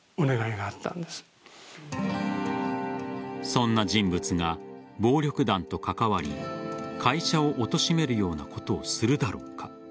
そんな人物が暴力団と関わり会社をおとしめるようなことをするだろうか。